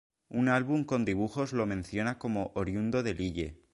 Un álbum con dibujos lo menciona como oriundo de Lille.